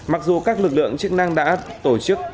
mặc dù các lực lượng chức năng đã tổ chức